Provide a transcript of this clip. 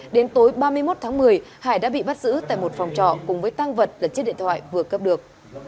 đến tối ba mươi một tháng một mươi hải đã bị bắt giữ tại một phòng trọ cùng với tăng vật là chiếc điện thoại vừa cấp được